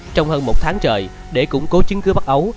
trong hơn một tháng trời để củng cố chứng cứ bắt ấu